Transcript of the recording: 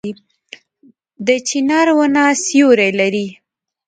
د چنار ونه سیوری لري